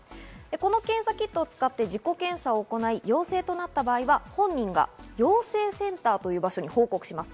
この検査キットを使って、自己検査を行い、陽性となった場合は、本人が陽性センターという場所に報告します。